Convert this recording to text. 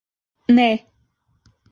Nē.